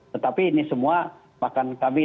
tetapi ini semua bahkan kami